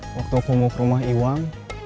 waktu aku mau ke rumah iwang